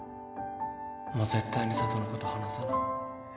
もう絶対に佐都のこと離さない